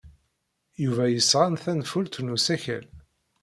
Yuba yesɣan tanfult n usakal.